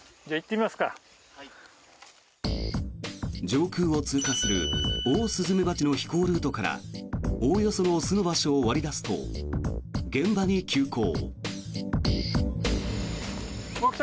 上空を通過するオオスズメバチの飛行ルートからおおよその巣の場所を割り出すと現場に急行。